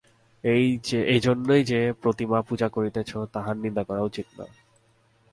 এই জন্য যে প্রতিমাপূজা করিতেছে, তাহার নিন্দা করা উচিত নয়।